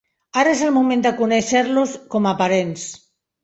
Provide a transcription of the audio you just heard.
Ara és el moment de conèixer-los com a parents.